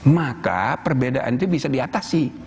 maka perbedaan itu bisa diatasi